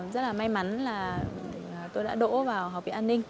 rất là may mắn là tôi đã đỗ vào học viện an ninh